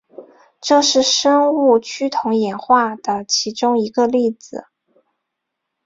这是生物趋同演化的其中一个例子。